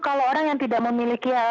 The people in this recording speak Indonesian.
kalau orang yang tidak memiliki